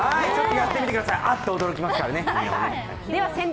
やってみてください、あっと驚きますからね。